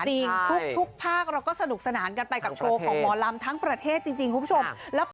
ทุกภาคเราก็สนุกสนานกันไปกับโชว์ของหมอลำทั้งประเทศจริงคุณผู้ชม